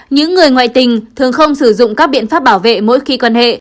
những người ngoại tình thường không sử dụng các biện pháp bảo vệ mỗi khi quan hệ